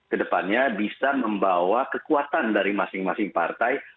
kedepannya bisa membawa kekuatan dari masing masing partai